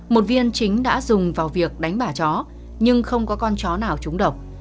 một viên chính đã dùng vào việc đánh bả chó nhưng không có con chó nào chúng độc